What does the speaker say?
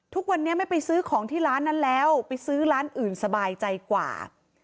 ทุกวันนี้ไม่ไปซื้อของที่ร้านนั้นแล้วไปซื้อร้านอื่นสบายใจกว่า